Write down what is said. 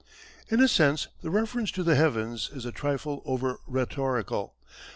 In a sense the reference to the heavens is a trifle over rhetorical.